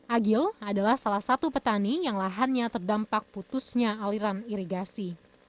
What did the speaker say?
agil adalah salah satu petani yang lahannya terdampak putusnya aliran irigasi